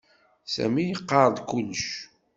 Sami iqarr-d kullec.